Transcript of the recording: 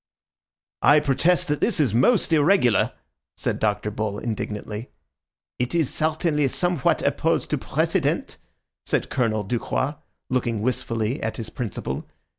"I protest that this is most irregular," said Dr. Bull indignantly. "It is certainly somewhat opposed to precedent," said Colonel Ducroix, looking wistfully at his principal.